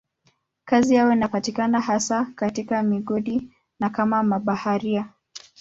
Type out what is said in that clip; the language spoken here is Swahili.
Kazi yao inapatikana hasa katika migodi na kama mabaharia.